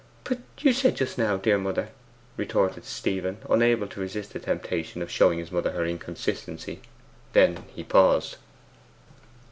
'But you said just now, dear mother ' retorted Stephen, unable to resist the temptation of showing his mother her inconsistency. Then he paused.